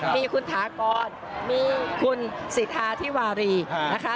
มีคุณถากรมีคุณสิทธาธิวารีนะคะ